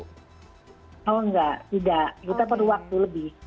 kalau enggak tidak kita perlu waktu lebih